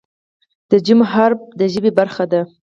د "ج" حرف د ژبې برخه ده.